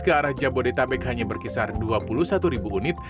ke arah jabodetabek hanya berkisar dua puluh satu ribu unit